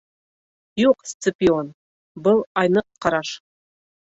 Юҡ, Сципион, был айныҡ ҡараш.